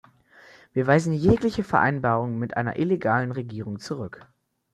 Wir weisen jegliche Vereinbarung mit einer illegalen Regierung zurück.